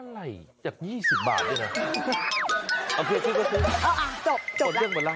อะไรจับ๒๐บาทด้วยเหรอ